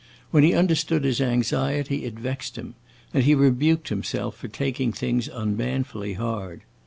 When he understood his anxiety it vexed him, and he rebuked himself for taking things unmanfully hard.